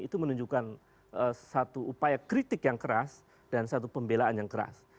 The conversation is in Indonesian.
itu menunjukkan satu upaya kritik yang keras dan satu pembelaan yang keras